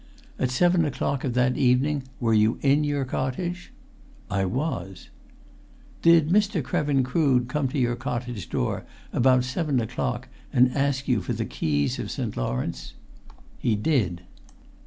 "At seven o'clock of that evening were you in your cottage?" "I was!" "Did Mr. Krevin Crood come to your cottage door about seven o'clock and ask you for the keys of St. Lawrence?" "He did!"